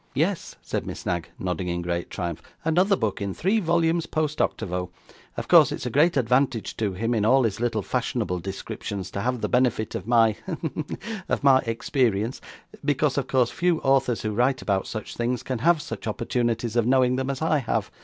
'Yes,' said Miss Knag, nodding in great triumph; 'another book, in three volumes post octavo. Of course it's a great advantage to him, in all his little fashionable descriptions, to have the benefit of my hem of my experience, because, of course, few authors who write about such things can have such opportunities of knowing them as I have.